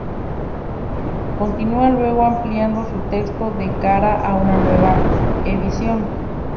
Continua luego ampliando su texto de cara a una nueva edición.